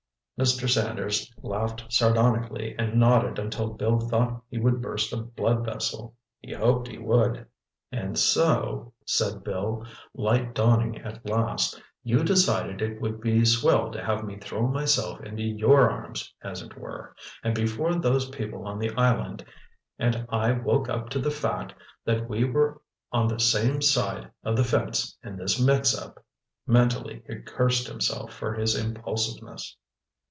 Mr. Sanders laughed sardonically and nodded until Bill thought he would burst a blood vessel—he hoped he would. "And so," said Bill, light dawning at last, "you decided it would be swell to have me throw myself into your arms, as it were. And before those people on the island and I woke up to the fact that we were on the same side of the fence in this mixup!" Mentally he cursed himself for his impulsiveness.